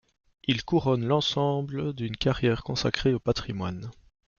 Il couronne l'ensemble d’une carrière consacrée au patrimoine.